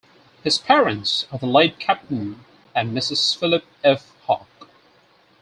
His parents are the late Captain and Mrs. Phillip F. Hauck.